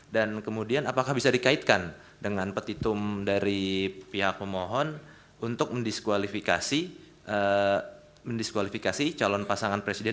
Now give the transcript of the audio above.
dan kemudian apakah bisa dikaitkan dengan petitum dari pihak pemohon untuk mendiskualifikasi calon pasangan presiden